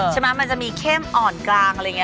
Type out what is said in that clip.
มันจะมีเข้มอ่อนกลางอะไรอย่างนี้